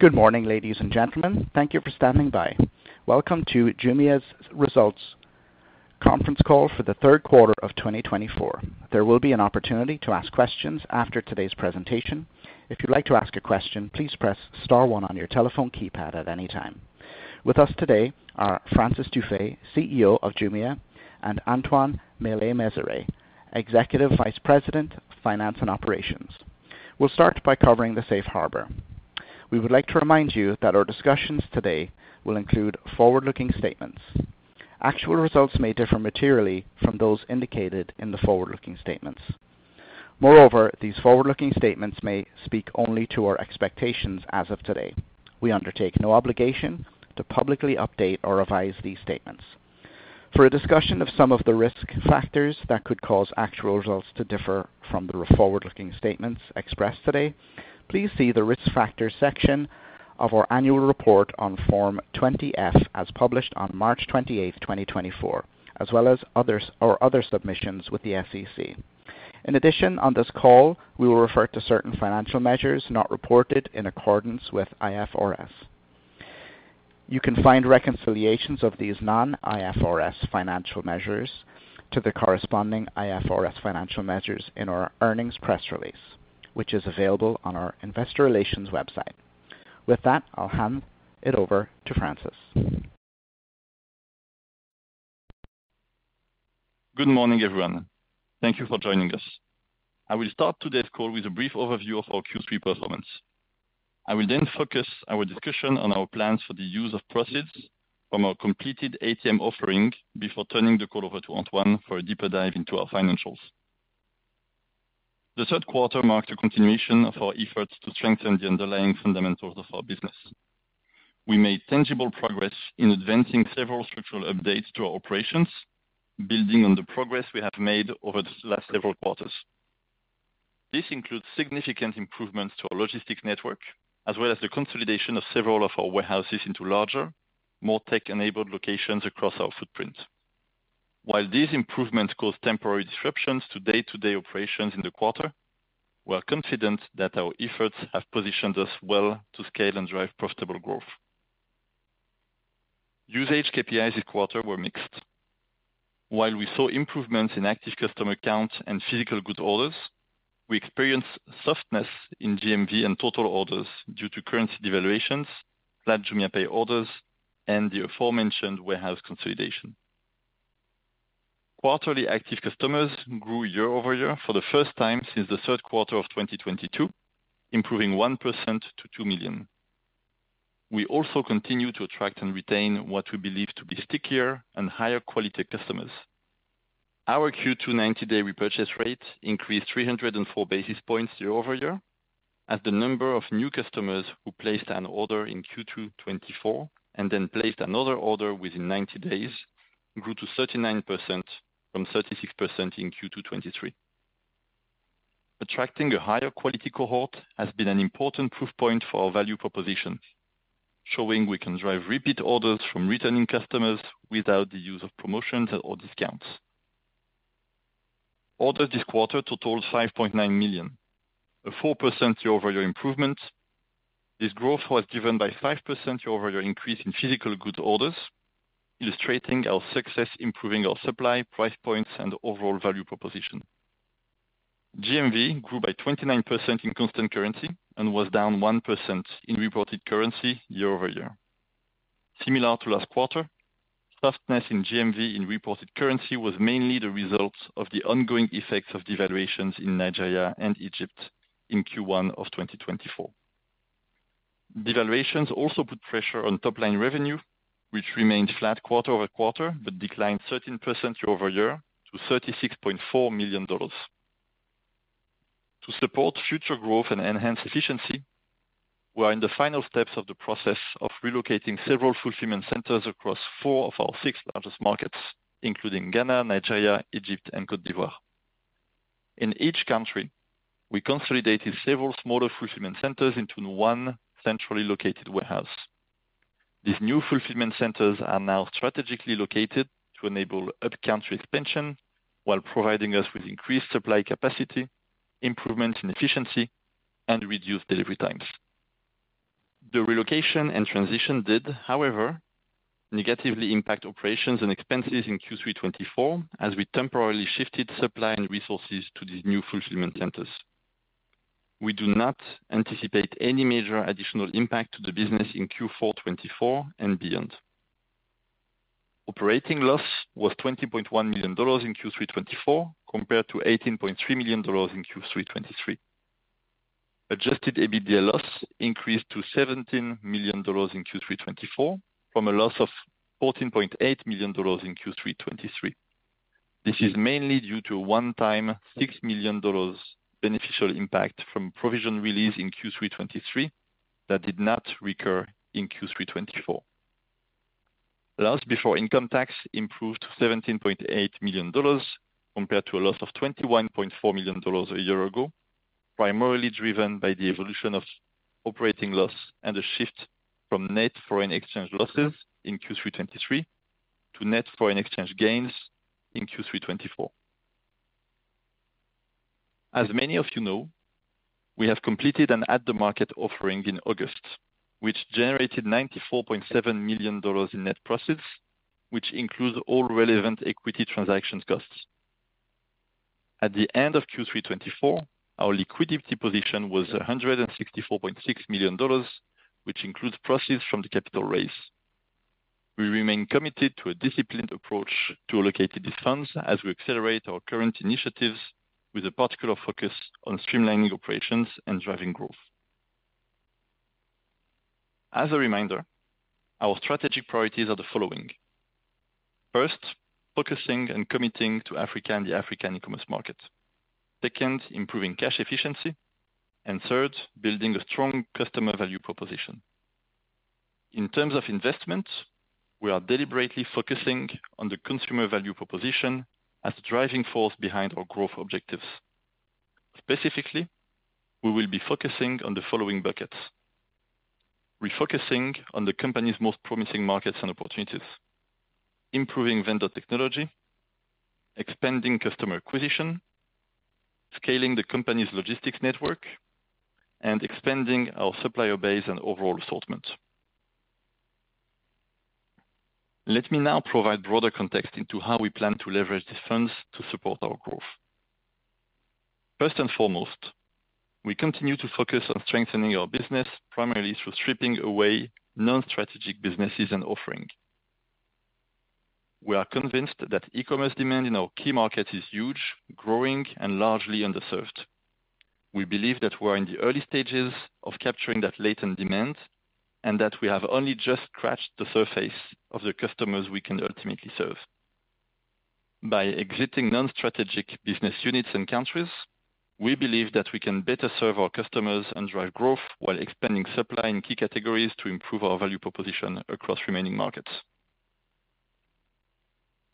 Good morning, ladies and gentlemen. Thank you for standing by. Welcome to Jumia's Results Conference Call for the third quarter of 2024. There will be an opportunity to ask questions after today's presentation. If you'd like to ask a question, please press star one on your telephone keypad at any time. With us today are Francis Dufay, CEO of Jumia, and Antoine Maillet-Mezeray, Executive Vice President, Finance and Operations. We'll start by covering the safe harbor. We would like to remind you that our discussions today will include forward-looking statements. Actual results may differ materially from those indicated in the forward-looking statements. Moreover, these forward-looking statements may speak only to our expectations as of today. We undertake no obligation to publicly update or revise these statements. For a discussion of some of the risk factors that could cause actual results to differ from the forward-looking statements expressed today, please see the risk factors section of our annual report on Form 20-F as published on March 28th, 2024, as well as other submissions with the SEC. In addition, on this call, we will refer to certain financial measures not reported in accordance with IFRS. You can find reconciliations of these non-IFRS financial measures to the corresponding IFRS financial measures in our earnings press release, which is available on our investor relations website. With that, I'll hand it over to Francis. Good morning, everyone. Thank you for joining us. I will start today's call with a brief overview of our Q3 performance. I will then focus our discussion on our plans for the use of proceeds from our completed ATM offering before turning the call over to Antoine for a deeper dive into our financials. The third quarter marked a continuation of our efforts to strengthen the underlying fundamentals of our business. We made tangible progress in advancing several structural updates to our operations, building on the progress we have made over the last several quarters. This includes significant improvements to our logistics network, as well as the consolidation of several of our warehouses into larger, more tech-enabled locations across our footprint. While these improvements caused temporary disruptions to day-to-day operations in the quarter, we are confident that our efforts have positioned us well to scale and drive profitable growth. Usage KPIs this quarter were mixed. While we saw improvements in active customer counts and physical goods orders, we experienced softness in GMV and total orders due to currency devaluations, flat JumiaPay orders, and the aforementioned warehouse consolidation. Quarterly active customers grew year-over-year for the first time since the third quarter of 2022, improving 1% to 2 million. We also continue to attract and retain what we believe to be stickier and higher quality customers. Our Q2 90-day repurchase rate increased 304 basis points year-over-year, as the number of new customers who placed an order in Q2 2024 and then placed another order within 90 days grew to 39% from 36% in Q2 2023. Attracting a higher quality cohort has been an important proof point for our value proposition, showing we can drive repeat orders from returning customers without the use of promotions or discounts. Orders this quarter totaled 5.9 million, a 4% year-over-year improvement. This growth was driven by a 5% year-over-year increase in physical goods orders, illustrating our success in improving our supply, price points, and overall value proposition. GMV grew by 29% in constant currency and was down 1% in reported currency year-over-year. Similar to last quarter, softness in GMV in reported currency was mainly the result of the ongoing effects of devaluations in Nigeria and Egypt in Q1 of 2024. Devaluations also put pressure on top-line revenue, which remained flat quarter over quarter but declined 13% year-over-year to $36.4 million. To support future growth and enhance efficiency, we are in the final steps of the process of relocating several fulfillment centers across four of our six largest markets, including Ghana, Nigeria, Egypt, and Côte d'Ivoire. In each country, we consolidated several smaller fulfillment centers into one centrally located warehouse. These new fulfillment centers are now strategically located to enable up-country expansion while providing us with increased supply capacity, improvements in efficiency, and reduced delivery times. The relocation and transition did, however, negatively impact operations and expenses in Q3 2024, as we temporarily shifted supply and resources to these new fulfillment centers. We do not anticipate any major additional impact to the business in Q4 2024 and beyond. Operating loss was $20.1 million in Q3 2024 compared to $18.3 million in Q3 2023. Adjusted EBITDA loss increased to $17 million in Q3 2024 from a loss of $14.8 million in Q3 2023. This is mainly due to a one-time $6 million beneficial impact from provision release in Q3 2023 that did not recur in Q3 2024. Loss before income tax improved to $17.8 million compared to a loss of $21.4 million a year ago, primarily driven by the evolution of operating loss and a shift from net foreign exchange losses in Q3 2023 to net foreign exchange gains in Q3 2024. As many of you know, we have completed an at-the-market offering in August, which generated $94.7 million in net proceeds, which includes all relevant equity transaction costs. At the end of Q3 2024, our liquidity position was $164.6 million, which includes proceeds from the capital raise. We remain committed to a disciplined approach to allocating these funds as we accelerate our current initiatives, with a particular focus on streamlining operations and driving growth. As a reminder, our strategic priorities are the following: first, focusing and committing to Africa and the African e-commerce market; second, improving cash efficiency; and third, building a strong customer value proposition. In terms of investment, we are deliberately focusing on the consumer value proposition as the driving force behind our growth objectives. Specifically, we will be focusing on the following buckets: refocusing on the company's most promising markets and opportunities, improving vendor technology, expanding customer acquisition, scaling the company's logistics network, and expanding our supplier base and overall assortment. Let me now provide broader context into how we plan to leverage these funds to support our growth. First and foremost, we continue to focus on strengthening our business primarily through stripping away non-strategic businesses and offering. We are convinced that e-commerce demand in our key markets is huge, growing, and largely underserved. We believe that we are in the early stages of capturing that latent demand and that we have only just scratched the surface of the customers we can ultimately serve. By exiting non-strategic business units and countries, we believe that we can better serve our customers and drive growth while expanding supply in key categories to improve our value proposition across remaining markets.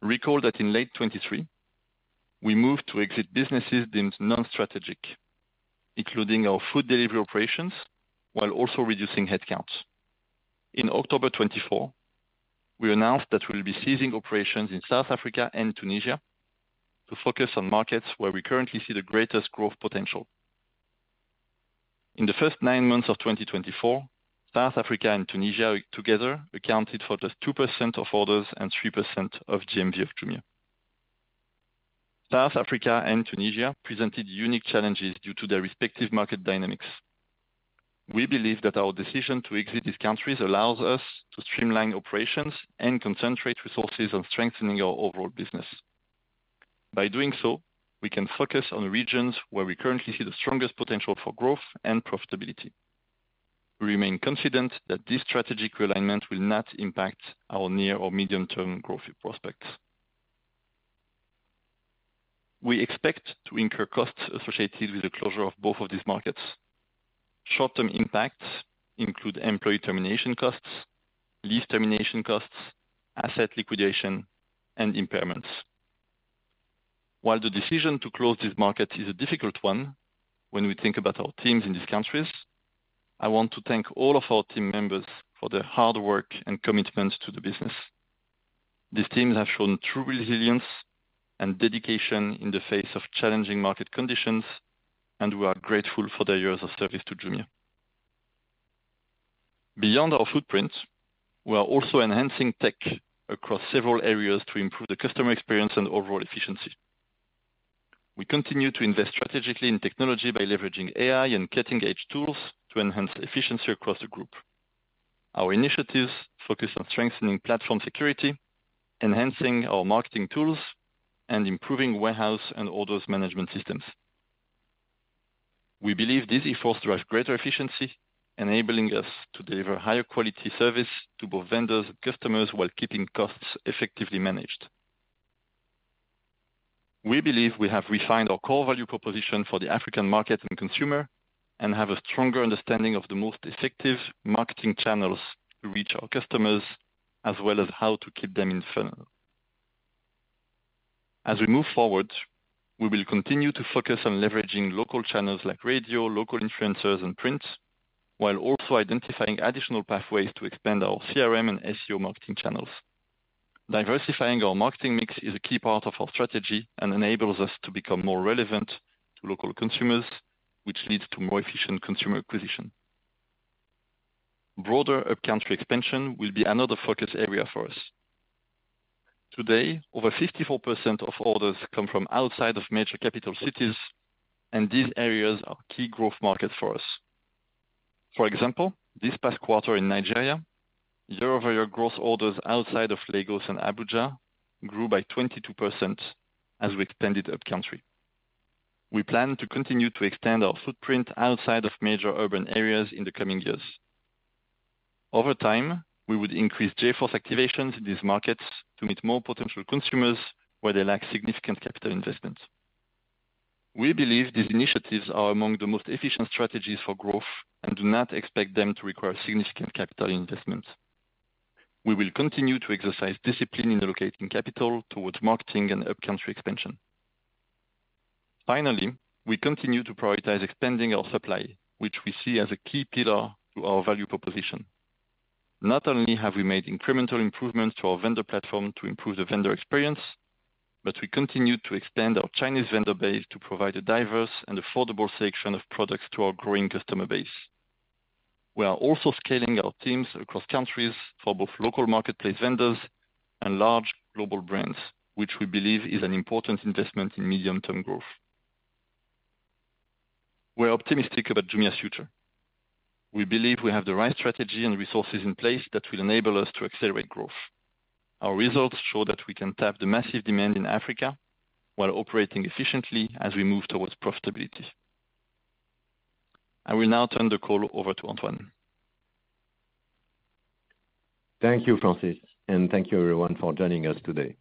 Recall that in late 2023, we moved to exit businesses deemed non-strategic, including our food delivery operations, while also reducing headcount. In October 2024, we announced that we will be ceasing operations in South Africa and Tunisia to focus on markets where we currently see the greatest growth potential. In the first nine months of 2024, South Africa and Tunisia together accounted for just 2% of orders and 3% of GMV of Jumia. South Africa and Tunisia presented unique challenges due to their respective market dynamics. We believe that our decision to exit these countries allows us to streamline operations and concentrate resources on strengthening our overall business. By doing so, we can focus on regions where we currently see the strongest potential for growth and profitability. We remain confident that this strategic realignment will not impact our near or medium-term growth prospects. We expect to incur costs associated with the closure of both of these markets. Short-term impacts include employee termination costs, lease termination costs, asset liquidation, and impairments. While the decision to close these markets is a difficult one, when we think about our teams in these countries, I want to thank all of our team members for their hard work and commitment to the business. These teams have shown true resilience and dedication in the face of challenging market conditions, and we are grateful for their years of service to Jumia. Beyond our footprint, we are also enhancing tech across several areas to improve the customer experience and overall efficiency. We continue to invest strategically in technology by leveraging AI and cutting-edge tools to enhance efficiency across the group. Our initiatives focus on strengthening platform security, enhancing our marketing tools, and improving warehouse and orders management systems. We believe these efforts drive greater efficiency, enabling us to deliver higher quality service to both vendors and customers while keeping costs effectively managed. We believe we have refined our core value proposition for the African market and consumer and have a stronger understanding of the most effective marketing channels to reach our customers, as well as how to keep them in funnel. As we move forward, we will continue to focus on leveraging local channels like radio, local influencers, and print, while also identifying additional pathways to expand our CRM and SEO marketing channels. Diversifying our marketing mix is a key part of our strategy and enables us to become more relevant to local consumers, which leads to more efficient consumer acquisition. Broader up-country expansion will be another focus area for us. Today, over 54% of orders come from outside of major capital cities, and these areas are key growth markets for us. For example, this past quarter in Nigeria, year-over-year gross orders outside of Lagos and Abuja grew by 22% as we expanded up-country. We plan to continue to extend our footprint outside of major urban areas in the coming years. Over time, we would increase JForce activations in these markets to meet more potential consumers where they lack significant capital investment. We believe these initiatives are among the most efficient strategies for growth and do not expect them to require significant capital investment. We will continue to exercise discipline in allocating capital towards marketing and up-country expansion. Finally, we continue to prioritize expanding our supply, which we see as a key pillar to our value proposition. Not only have we made incremental improvements to our vendor platform to improve the vendor experience, but we continue to expand our Chinese vendor base to provide a diverse and affordable selection of products to our growing customer base. We are also scaling our teams across countries for both local marketplace vendors and large global brands, which we believe is an important investment in medium-term growth. We're optimistic about Jumia's future. We believe we have the right strategy and resources in place that will enable us to accelerate growth. Our results show that we can tap the massive demand in Africa while operating efficiently as we move towards profitability. I will now turn the call over to Antoine. Thank you, Francis, and thank you, everyone, for joining us today.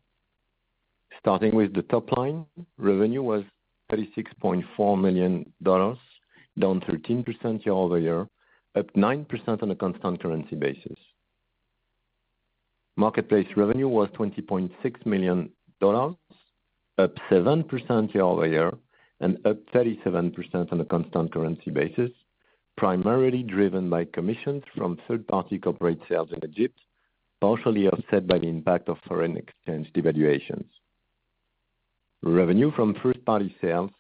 Starting with the top line, revenue was $36.4 million, down 13% year-over-year, up 9% on a constant currency basis. Marketplace revenue was $20.6 million, up 7% year-over-year, and up 37% on a constant currency basis, primarily driven by commissions from third-party corporate sales in Egypt, partially offset by the impact of foreign exchange devaluations. Revenue from first-party sales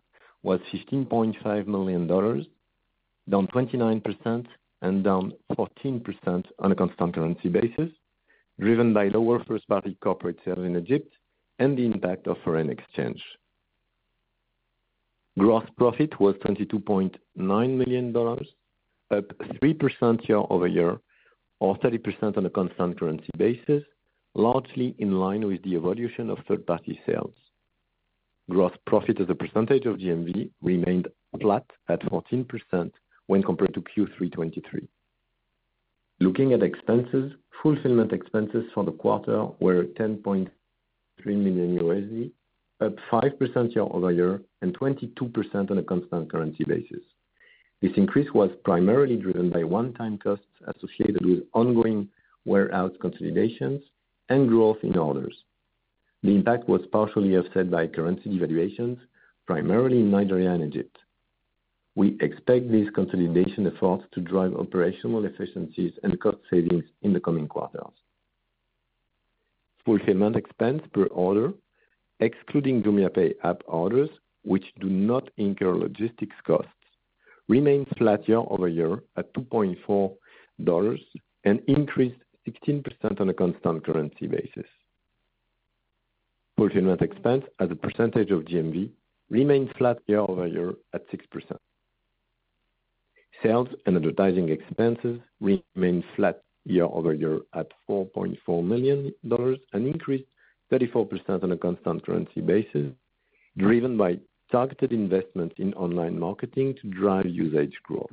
was $15.5 million, down 29% and down 14% on a constant currency basis, driven by lower first-party corporate sales in Egypt and the impact of foreign exchange. Gross profit was $22.9 million, up 3% year-over-year, or 30% on a constant currency basis, largely in line with the evolution of third-party sales. Gross profit as a percentage of GMV remained flat at 14% when compared to Q3 2023. Looking at expenses, fulfillment expenses for the quarter were $10.3 million, up 5% year-over-year, and 22% on a constant currency basis. This increase was primarily driven by one-time costs associated with ongoing warehouse consolidations and growth in orders. The impact was partially offset by currency devaluations, primarily in Nigeria and Egypt. We expect these consolidation efforts to drive operational efficiencies and cost savings in the coming quarters. Fulfillment expense per order, excluding JumiaPay app orders, which do not incur logistics costs, remained flat year-over-year at $2.4 and increased 16% on a constant currency basis. Fulfillment expense as a percentage of GMV remained flat year-over-year at 6%. Sales and advertising expenses remained flat year-over-year at $4.4 million and increased 34% on a constant currency basis, driven by targeted investments in online marketing to drive usage growth.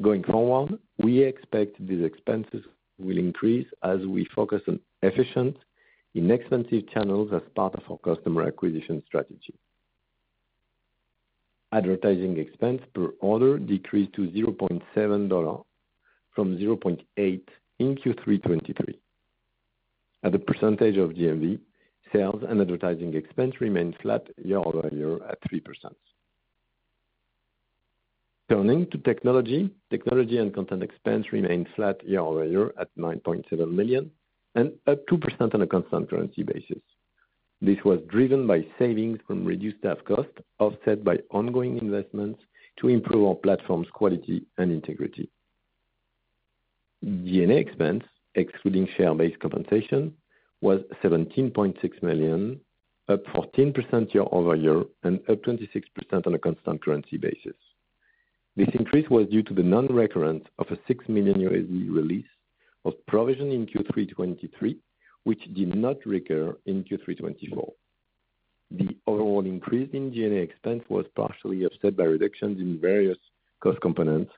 Going forward, we expect these expenses will increase as we focus on efficient, inexpensive channels as part of our customer acquisition strategy. Advertising expense per order decreased to $0.7 from $0.8 in Q3 2023. As a percentage of GMV, sales and advertising expense remained flat year-over-year at 3%. Turning to technology, technology and content expense remained flat year-over-year at $9.7 million and up 2% on a constant currency basis. This was driven by savings from reduced staff costs offset by ongoing investments to improve our platform's quality and integrity. G&A expense, excluding share-based compensation, was $17.6 million, up 14% year-over-year and up 26% on a constant currency basis. This increase was due to the non-recurrence of a $6 million release of provision in Q3 2023, which did not recur in Q3 2024. The overall increase in G&A expense was partially offset by reductions in various cost components,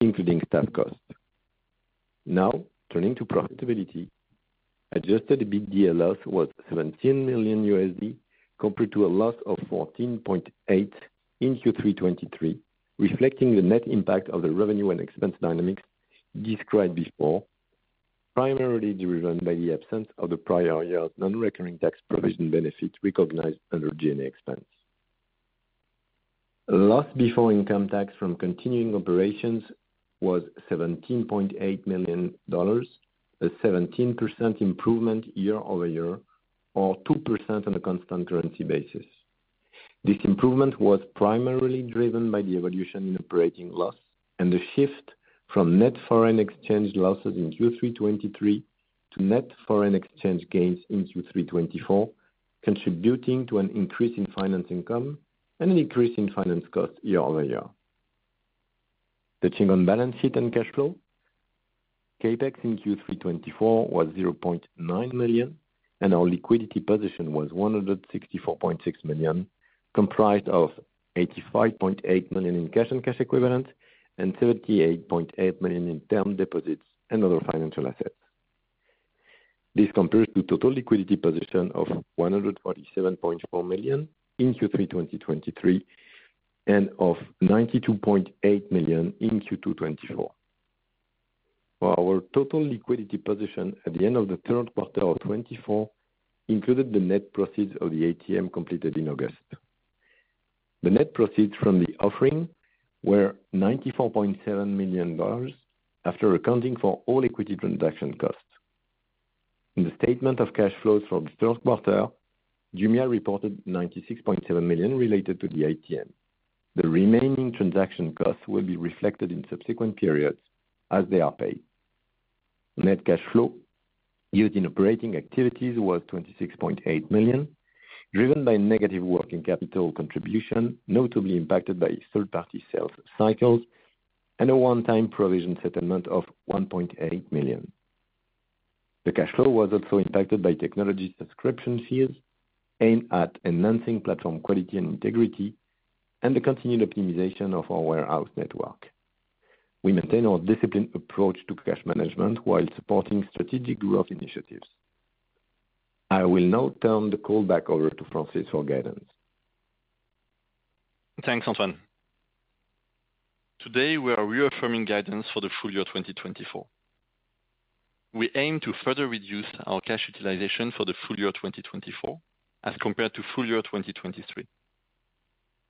including staff costs. Now, turning to profitability, adjusted EBITDA loss was $17 million compared to a loss of $14.8 million in Q3 2023, reflecting the net impact of the revenue and expense dynamics described before, primarily driven by the absence of the prior year's non-recurring tax provision benefit recognized under G&A expense. Loss before income tax from continuing operations was $17.8 million, a 17% improvement year-over-year, or 2% on a constant currency basis. This improvement was primarily driven by the evolution in operating loss and the shift from net foreign exchange losses in Q3 2023 to net foreign exchange gains in Q3 2024, contributing to an increase in finance income and an increase in finance costs year-over-year. Touching on balance sheet and cash flow, CapEx in Q3 2024 was $0.9 million, and our liquidity position was $164.6 million, comprised of $85.8 million in cash and cash equivalents and $78.8 million in term deposits and other financial assets. This compares to total liquidity position of $147.4 million in Q3 2023 and of $92.8 million in Q2 2024. Our total liquidity position at the end of the third quarter of 2024 included the net proceeds of the ATM completed in August. The net proceeds from the offering were $94.7 million after accounting for all equity transaction costs. In the statement of cash flows for the third quarter, Jumia reported $96.7 million related to the ATM. The remaining transaction costs will be reflected in subsequent periods as they are paid. Net cash flow used in operating activities was $26.8 million, driven by negative working capital contribution, notably impacted by third-party sales cycles and a one-time provision settlement of $1.8 million. The cash flow was also impacted by technology subscription fees aimed at enhancing platform quality and integrity and the continued optimization of our warehouse network. We maintain our disciplined approach to cash management while supporting strategic growth initiatives. I will now turn the call back over to Francis for guidance. Thanks, Antoine. Today, we are reaffirming guidance for the full-year 2024. We aim to further reduce our cash utilization for the full year 2024 as compared to full year 2023.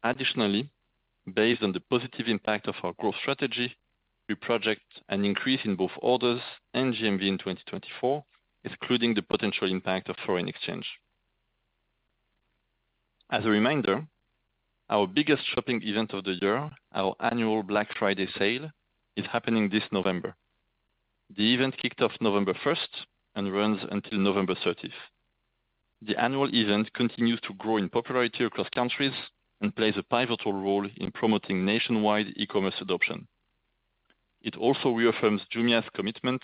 Additionally, based on the positive impact of our growth strategy, we project an increase in both orders and GMV in 2024, excluding the potential impact of foreign exchange. As a reminder, our biggest shopping event of the year, our annual Black Friday sale, is happening this November. The event kicked off November 1st and runs until November 30th. The annual event continues to grow in popularity across countries and plays a pivotal role in promoting nationwide e-commerce adoption. It also reaffirms Jumia's commitment,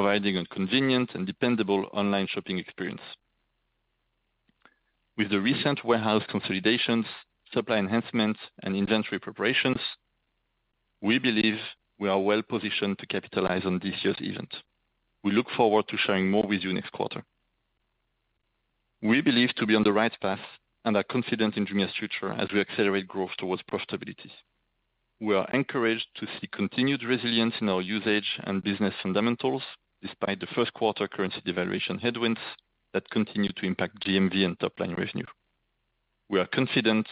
providing a convenient and dependable online shopping experience. With the recent warehouse consolidations, supply enhancements, and inventory preparations, we believe we are well positioned to capitalize on this year's event. We look forward to sharing more with you next quarter. We believe to be on the right path and are confident in Jumia's future as we accelerate growth towards profitability. We are encouraged to see continued resilience in our usage and business fundamentals despite the first quarter currency devaluation headwinds that continue to impact GMV and top-line revenue. We are confident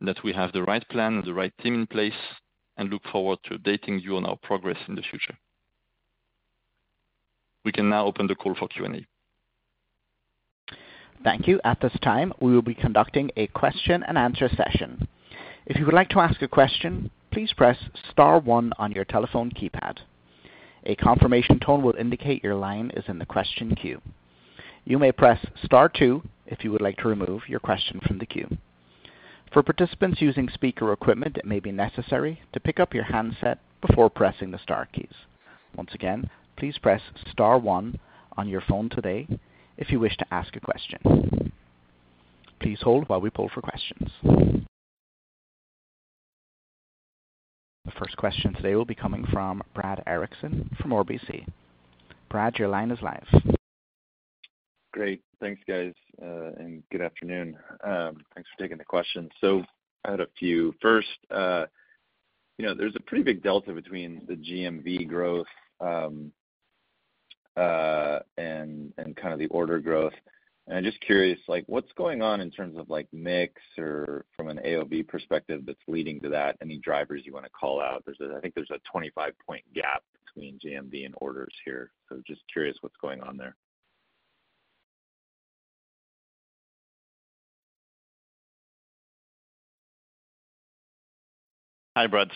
that we have the right plan and the right team in place and look forward to updating you on our progress in the future. We can now open the call for Q&A. Thank you. At this time, we will be conducting a question-and-answer session. If you would like to ask a question, please press star one on your telephone keypad. A confirmation tone will indicate your line is in the question queue. You may press star two if you would like to remove your question from the queue. For participants using speaker equipment, it may be necessary to pick up your handset before pressing the star keys. Once again, please press star one on your phone today if you wish to ask a question. Please hold while we poll for questions. The first question today will be coming from Brad Erickson from RBC Capital Markets. Brad, your line is live. Great. Thanks, guys, and good afternoon. Thanks for taking the question. So, I had a few. First, there's a pretty big delta between the GMV growth and kind of the order growth. I'm just curious, what's going on in terms of mix or from an AOV perspective that's leading to that? Any drivers you want to call out? I think there's a 25-point gap between GMV and orders here. Just curious what's going on there. Hi, Brad.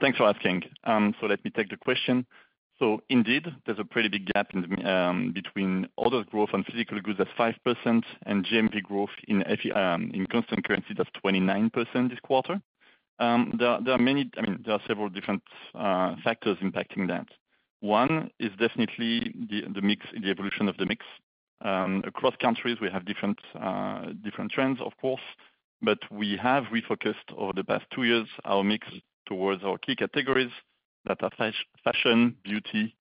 Thanks for asking. So let me take the question. So indeed, there's a pretty big gap between order growth on physical goods at 5% and GMV growth in constant currency that's 29% this quarter. There are many. There are several different factors impacting that. One is definitely the mix and the evolution of the mix. Across countries, we have different trends, of course, but we have refocused over the past two years our mix towards our key categories that are fashion, beauty,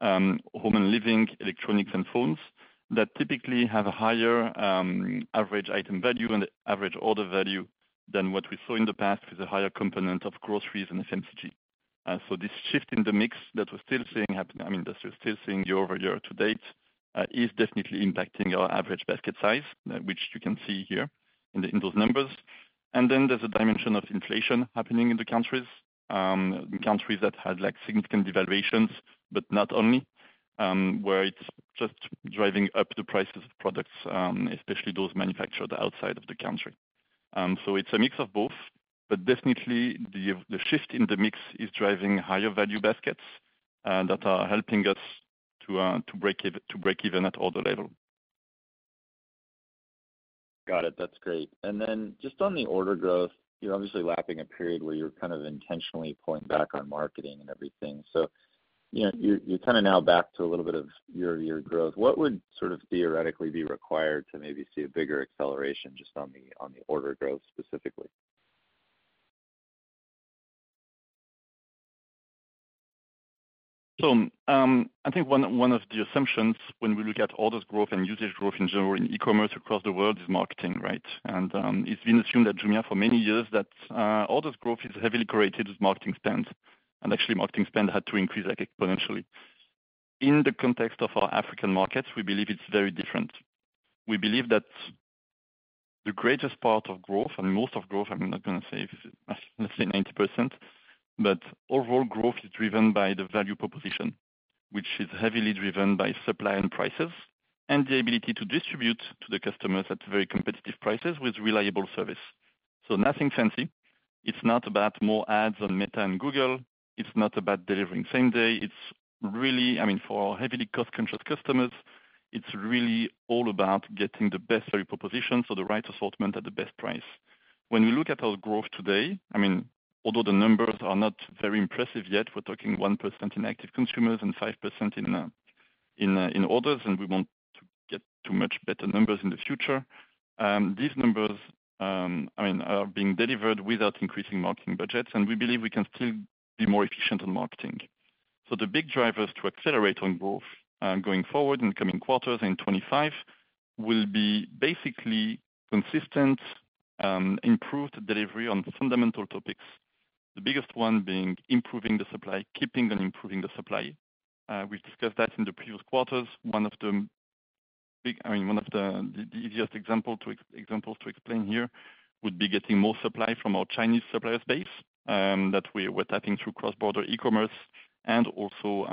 home and living, electronics, and phones that typically have a higher average item value and average order value than what we saw in the past with a higher component of groceries and FMCG. So this shift in the mix that we're still seeing happen. That we're still seeing year-over-year to date is definitely impacting our average basket size, which you can see here in those numbers. Then there's a dimension of inflation happening in the countries, countries that had significant devaluations, but not only, where it's just driving up the prices of products, especially those manufactured outside of the country. So, it's a mix of both, but definitely the shift in the mix is driving higher value baskets that are helping us to break even at order level. Got it. That's great. Then just on the order growth, you're obviously lapping a period where you're kind of intentionally pulling back on marketing and everything. So, you're kind of now back to a little bit of year-to-year growth. What would sort of theoretically be required to maybe see a bigger acceleration just on the order growth specifically? One of the assumptions when we look at orders growth and usage growth in general in e-commerce across the world is marketing, right? It's been assumed at Jumia for many years that orders growth is heavily correlated with marketing spend. Actually, marketing spend had to increase exponentially. In the context of our African markets, we believe it's very different. We believe that the greatest part of growth, and most of growth—I'm not going to say, let's say, 90%—but overall growth is driven by the value proposition, which is heavily driven by supply and prices and the ability to distribute to the customers at very competitive prices with reliable service. So, nothing fancy. It's not about more ads on Meta and Google. It's not about delivering same day. It's really for our heavily cost-conscious customers, it's really all about getting the best value proposition, so the right assortment at the best price. When we look at our growth today, although the numbers are not very impressive yet, we're talking 1% in active consumers and 5% in orders, and we won't get too much better numbers in the future. These numbers are being delivered without increasing marketing budgets, and we believe we can still be more efficient on marketing, so the big drivers to accelerate on growth going forward in coming quarters and in 2025 will be basically consistent, improved delivery on fundamental topics. The biggest one being improving the supply, keeping on improving the supply. We've discussed that in the previous quarters. One of the easiest examples to explain here would be getting more supply from our Chinese supplier base that we're tapping through cross-border e-commerce and also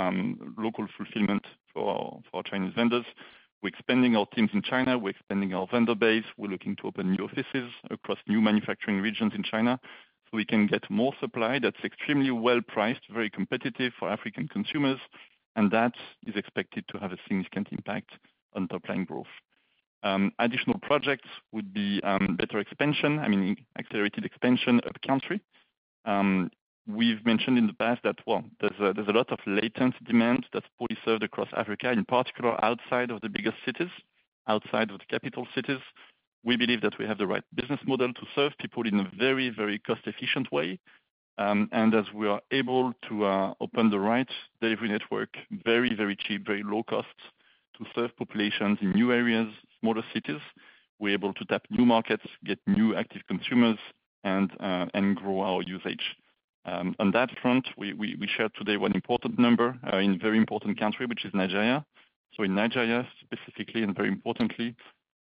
local fulfillment for our Chinese vendors. We're expanding our teams in China. We're expanding our vendor base. We're looking to open new offices across new manufacturing regions in China so we can get more supply that's extremely well-priced, very competitive for African consumers, and that is expected to have a significant impact on top-line growth. Additional projects would be better expansion, I mean, accelerated expansion up-country. We've mentioned in the past that, well, there's a lot of latent demand that's poorly served across Africa, in particular outside of the biggest cities, outside of the capital cities. We believe that we have the right business model to serve people in a very, very cost-efficient way. As we are able to open the right delivery network very, very cheap, very low cost to serve populations in new areas, smaller cities, we're able to tap new markets, get new active consumers, and grow our usage. On that front, we shared today one important number in a very important country, which is Nigeria. So, in Nigeria, specifically, and very importantly,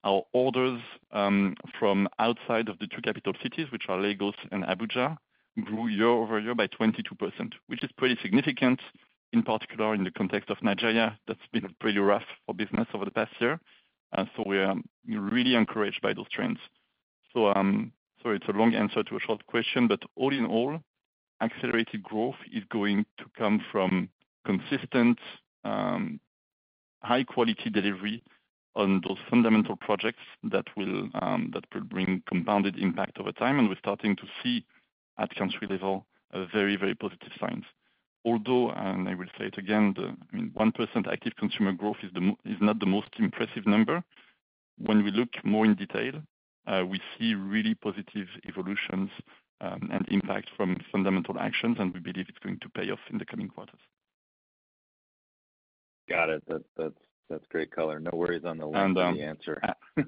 our orders from outside of the two capital cities, which are Lagos and Abuja, grew year-over-year by 22%, which is pretty significant, in particular in the context of Nigeria that's been pretty rough for business over the past year. So, we're really encouraged by those trends. So, it's a long answer to a short question, but all in all, accelerated growth is going to come from consistent, high-quality delivery on those fundamental projects that will bring compounded impact over time. We're starting to see at country level very, very positive signs. Although, and I will say it again, 1% active consumer growth is not the most impressive number. When we look more in detail, we see really positive evolutions and impact from fundamental actions, and we believe it's going to pay off in the coming quarters. Got it. That's great color. No worries on the length of the answer.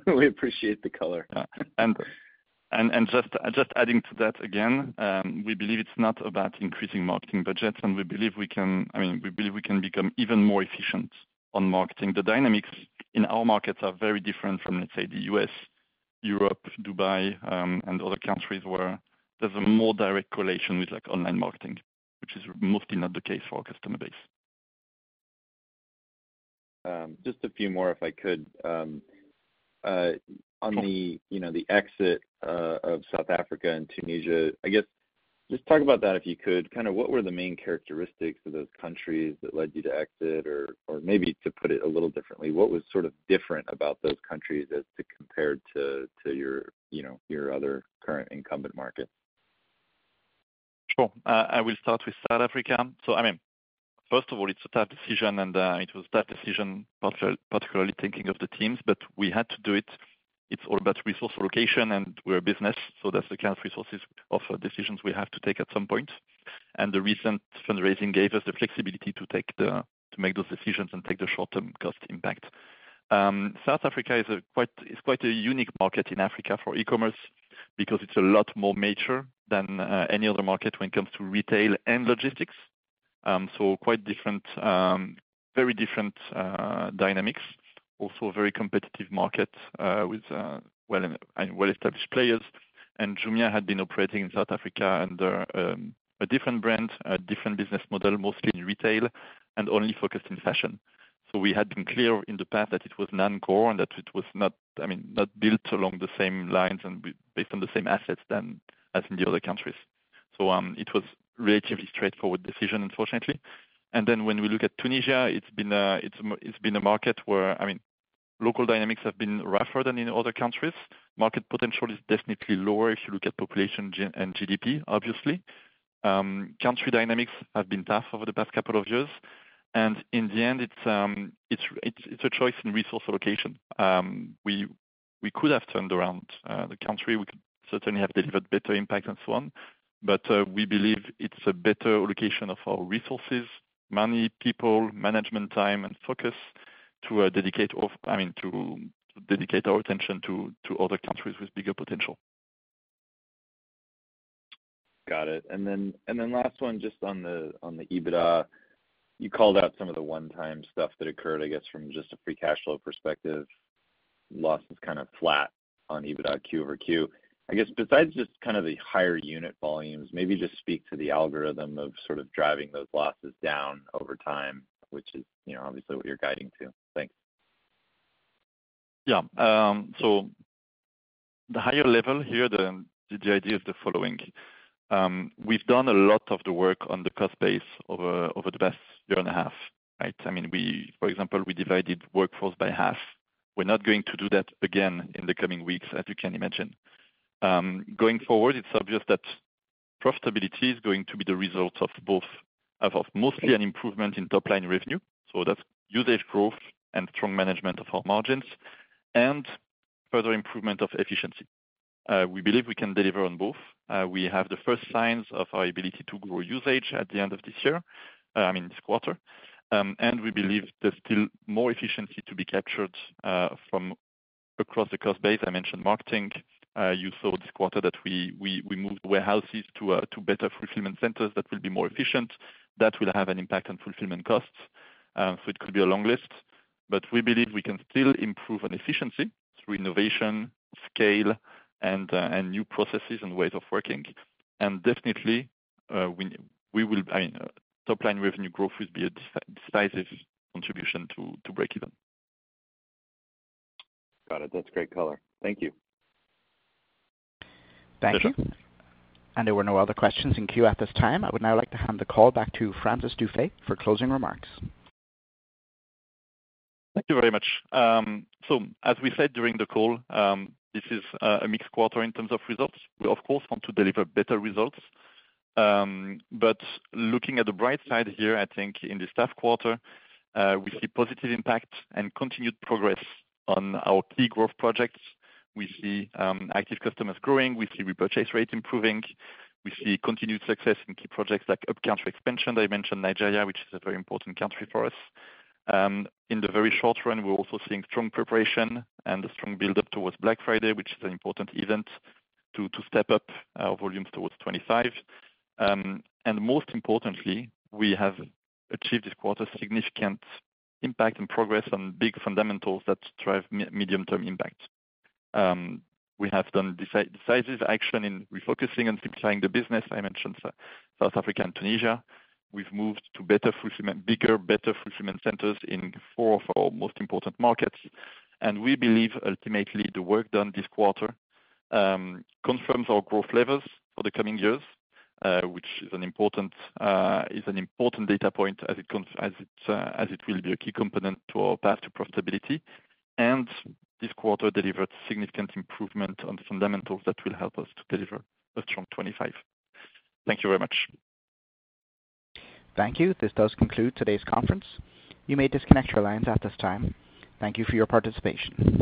We appreciate the color. And just adding to that again, we believe it's not about increasing marketing budgets, and we believe we can become even more efficient on marketing. The dynamics in our markets are very different from, let's say, the U.S., Europe, Dubai, and other countries where there's a more direct correlation with online marketing, which is mostly not the case for our customer base. Just a few more, if I could. On the exit of South Africa and Tunisia, just talk about that, if you could. Kind of, what were the main characteristics of those countries that led you to exit? Or maybe to put it a little differently, what was sort of different about those countries as compared to your other current incumbent markets? Sure. I will start with South Africa. First of all, it's a tough decision, and it was a tough decision, particularly thinking of the teams, but we had to do it. It's all about resource allocation, and we're a business, so that's the kind of resource decisions we have to take at some point, and the recent fundraising gave us the flexibility to make those decisions and take the short-term cost impact. South Africa is quite a unique market in Africa for e-commerce because it's a lot more mature than any other market when it comes to retail and logistics, so quite different, very different dynamics. Also a very competitive market with well-established players. Jumia had been operating in South Africa under a different brand, a different business model, mostly in retail, and only focused in fashion. We had been clear in the past that it was non-core and that it was not built along the same lines and based on the same assets as in the other countries. So, it was a relatively straightforward decision, unfortunately. Then when we look at Tunisia, it's been a market where local dynamics have been rougher than in other countries. Market potential is definitely lower if you look at population and GDP, obviously. Country dynamics have been tough over the past couple of years. In the end, it's a choice in resource allocation. We could have turned around the country. We could certainly have delivered better impact and so on. We believe it's a better allocation of our resources, money, people, management time, and focus to dedicate our attention to other countries with bigger potential. Got it. Then last one, just on the EBITDA, you called out some of the one-time stuff that occurred from just a free cash flow perspective. Loss is kind of flat on EBITDA Q-over-Q. Besides just kind of the higher unit volumes, maybe just speak to the algorithm of sort of driving those losses down over time, which is obviously what you're guiding to. Thanks. Yeah. So, the higher level here, the idea is the following. We've done a lot of the work on the cost base over the past year and a half, right? For example, we divided workforce by half. We're not going to do that again in the coming weeks, as you can imagine. Going forward, it's obvious that profitability is going to be the result of mostly an improvement in top-line revenue. That's usage growth and strong management of our margins and further improvement of efficiency. We believe we can deliver on both. We have the first signs of our ability to grow usage at the end of this year, I mean, this quarter. We believe there's still more efficiency to be captured from across the cost base. I mentioned marketing. You saw this quarter that we moved warehouses to better fulfillment centers that will be more efficient. That will have an impact on fulfillment costs. So, it could be a long list. We believe we can still improve on efficiency through innovation, scale, and new processes and ways of working. Definitely top-line revenue growth would be a decisive contribution to break even. Got it. That's great color. Thank you. Thank you. There were no other questions in queue at this time. I would now like to hand the call back to Francis Dufay for closing remarks. Thank you very much. As we said during the call, this is a mixed quarter in terms of results. We, of course, want to deliver better results. But looking at the bright side here, I think in the second quarter, we see positive impact and continued progress on our key growth projects. We see active customers growing. We see repurchase rates improving. We see continued success in key projects like up-country expansion. I mentioned Nigeria, which is a very important country for us. In the very short run, we're also seeing strong preparation and a strong build-up towards Black Friday, which is an important event to step up our volumes towards 2025, and most importantly, we have achieved this quarter significant impact and progress on big fundamentals that drive medium-term impact. We have done decisive action in refocusing and simplifying the business. I mentioned South Africa and Tunisia. We've moved to bigger, better fulfillment centers in four of our most important markets, and we believe ultimately the work done this quarter confirms our growth levels for the coming years, which is an important data point as it will be a key component to our path to profitability, and this quarter delivered significant improvement on fundamentals that will help us to deliver a strong 2025. Thank you very much. Thank you. This does conclude today's conference. You may disconnect your lines at this time. Thank you for your participation.